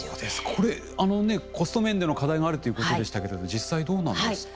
これコスト面での課題があるということでしたけど実際どうなんですか？